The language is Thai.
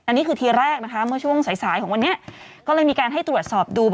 อันนี้คือทีแรกนะคะเมื่อช่วงสายสายของวันนี้ก็เลยมีการให้ตรวจสอบดู